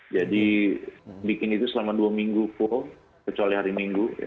bikin itu selama dua minggu full kecuali hari minggu